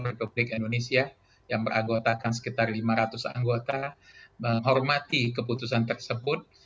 republik indonesia yang beragotakan sekitar lima ratus anggota menghormati keputusan tersebut